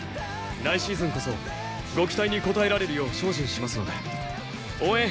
来シーズンこそご期待に応えられるよう精進しますので応援